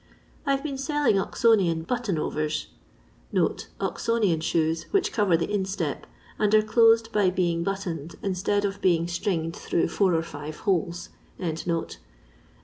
I 've been selling Oxonian button overs {* Oxonian ' shoes, which cover the instep, and are closed by being buttoned instead of being stringed through four or five holes) at Zs.